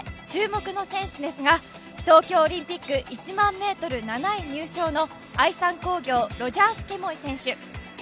注目の選手ですが、東京オリンピック１００００ｍ７位入賞の愛三工業のロジャースチュモ・ケモイ選手。